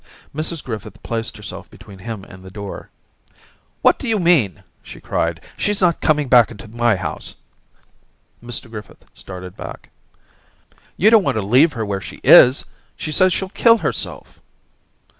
Mrs Griffith placed herself between him and the door. Daisy 237 'What d'you mean?' she cried 'She's not coming back into my house.* Mr Griffith started back. • *You don't want to leave her where she is! She says she'll kill herself.'